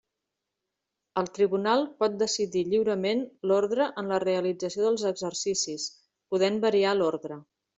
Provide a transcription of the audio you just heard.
El Tribunal pot decidir lliurement l'ordre en la realització dels exercicis, podent variar l'ordre.